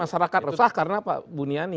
masyarakat resah karena pak buniani